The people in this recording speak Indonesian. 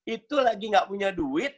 itu lagi gak punya duit